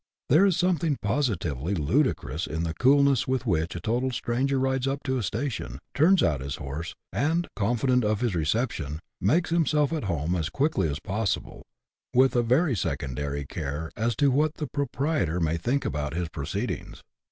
There is something positively ludicrous in the coolness with which a total stranger rides up to a station, turns out his horse, and, confident of his reception, makes himself at home as quickly as possible, with a very secondary care as to what the proprietor may think about his proceedings.